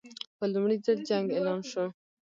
په لومړي ځل جنګ اعلان شو.